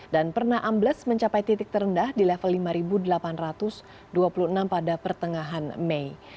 dan pernah ambles mencapai titik terendah di level lima delapan ratus dua puluh enam pada pertengahan mei